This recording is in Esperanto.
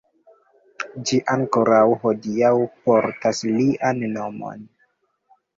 Ĝi ankoraŭ hodiaŭ portas lian nomon.